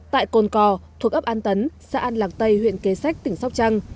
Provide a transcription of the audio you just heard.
tại cồn cò thuộc ấp an tấn xã an lạc tây huyện kế sách tỉnh sóc trăng